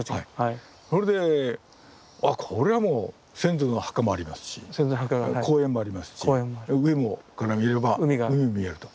それでこれはもう先祖の墓もありますし公園もありますし上から見れば海も見えると。